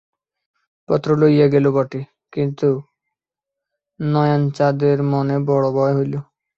পত্র লইয়া গেল বটে, কিন্তু নয়ানচাঁদের মনে বড়ো ভয় হইল।